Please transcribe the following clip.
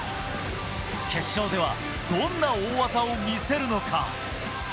決勝ではどんな大技を見せるのか。